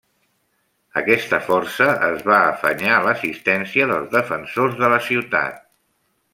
Aquesta força es va afanyar a l'assistència dels defensors de la ciutat.